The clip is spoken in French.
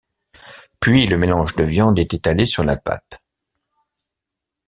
Puis le mélange de viande est étalé sur la pâte.